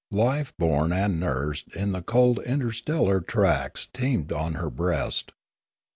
Life born and nursed in the cold interstellar tracts teemed on her breast.